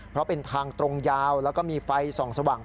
เพราะเป็นทางตรงยาวแล้วก็มีไฟส่องสว่าง